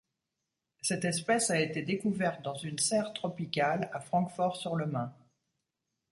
Cette espèce a été découverte dans une serre tropicale à Francfort-sur-le-Main.